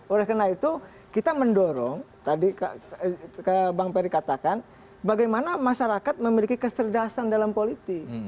oleh karena itu kita mendorong tadi bang peri katakan bagaimana masyarakat memiliki kecerdasan dalam politik